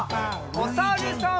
おさるさん。